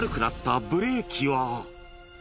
利きが悪くなったブレーキは。